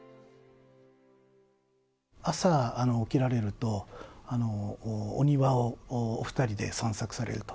朝起きられると、お庭をお２人で散策されると。